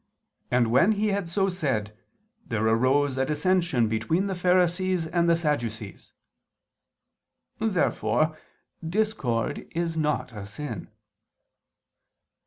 And when he had so said, there arose a dissension between the Pharisees and the Sadducees." Therefore discord is not a sin.